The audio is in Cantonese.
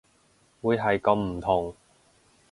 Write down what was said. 會係咁唔同